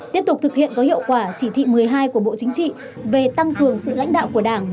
tiếp tục thực hiện có hiệu quả chỉ thị một mươi hai của bộ chính trị về tăng cường sự lãnh đạo của đảng